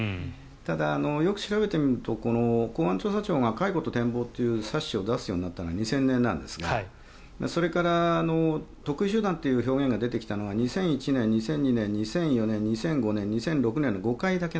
ただ、よく調べてみると公安調査庁が「回顧と展望」という冊子を出すようになったのは２０００年なんですがそれから特異集団という表現が出てきたのは２００１年２００４年、２００５年２００６年の５回だけなんです。